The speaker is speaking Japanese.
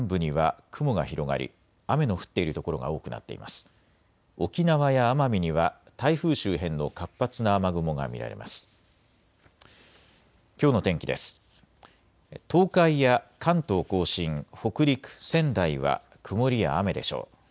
東海や関東甲信、北陸、仙台は曇りや雨でしょう。